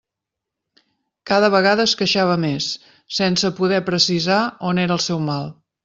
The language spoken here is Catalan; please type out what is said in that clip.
Cada vegada es queixava més, sense poder precisar on era el seu mal.